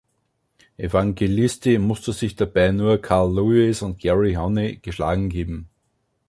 Evangelisti musste sich dabei nur Carl Lewis und Gary Honey geschlagen geben.